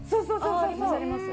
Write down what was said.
ああありますあります